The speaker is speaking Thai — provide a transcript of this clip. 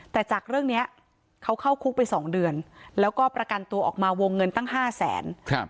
แต่จากเรื่องเนี้ยเขาเข้าคุกไปสองเดือนแล้วก็ประกันตัวออกมาวงเงินตั้ง๕แสน